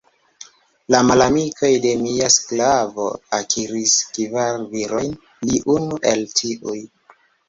La malamikoj de mia sklavo akiris kvar virojn; li, unu el tiuj.